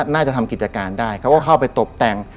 น่าจะทำกิจการได้เขาก็เข้าไปตบแต่ง